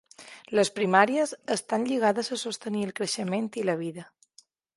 Les primàries estan lligades a sostenir el creixement i la vida.